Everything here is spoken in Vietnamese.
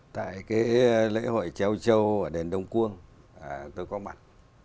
tại lễ hội treo trâu ở đền đông quương tôi có mặt